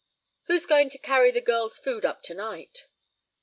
"Who's going to carry the girl's food up to night?"